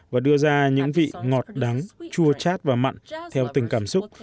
và đưa ra những vị ngọt đắng chua chát và mặn theo từng cảm xúc